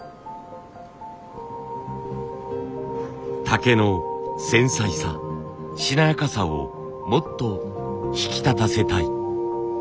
竹の繊細さしなやかさをもっと引き立たせたい。